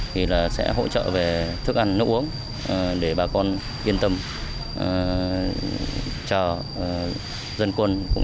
thì sẽ hỗ trợ về thức ăn nước uống để bà con yên tâm cho dân quân cũng như các lực lượng